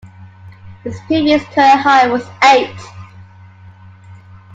His previous career high was eight.